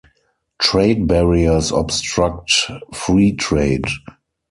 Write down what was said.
Trade barriers obstruct free trade.